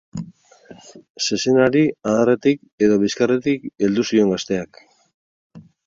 Zezenari adarretik edo bizkarretik heldu zion gazteak.